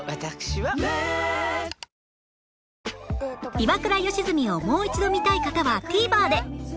『イワクラ吉住』をもう一度見たい方は ＴＶｅｒ で